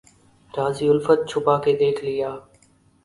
راز الفت چھپا کے دیکھ لیا